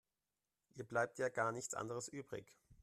Ihr bleibt ja gar nichts anderes übrig.